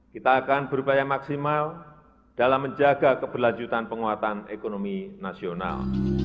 kita akan berupaya maksimal dalam menjaga keberlanjutan penguatan ekonomi nasional